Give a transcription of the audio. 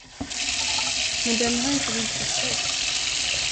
Men den har inte visat sig.